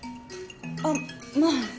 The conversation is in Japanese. あっまあ。